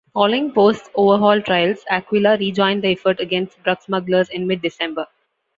Following post-overhaul trials, "Aquila" rejoined the effort against drug smugglers in mid-December.